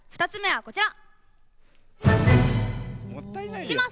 ３つ目は、こちら。